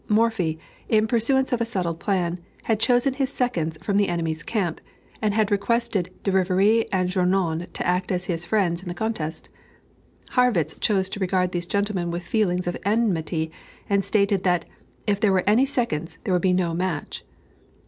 Morphy, in pursuance of a settled plan, had chosen his seconds from the enemy's camp, and had requested De Rivière and Journoud to act as his friends in this contest. Harrwitz chose to regard these gentlemen with feelings of enmity, and stated that, "if there were any seconds, there would be no match."